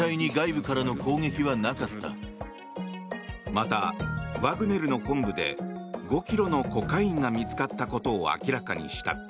また、ワグネルの本部で５ｋｇのコカインが見つかったことを明らかにした。